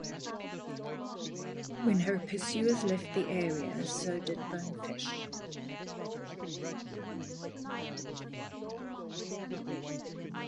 When her pursuers left the area, so did "Bonefish".